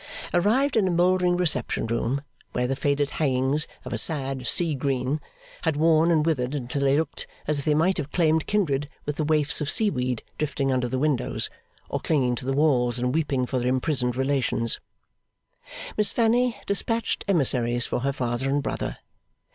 Arrived in a mouldering reception room, where the faded hangings, of a sad sea green, had worn and withered until they looked as if they might have claimed kindred with the waifs of seaweed drifting under the windows, or clinging to the walls and weeping for their imprisoned relations, Miss Fanny despatched emissaries for her father and brother.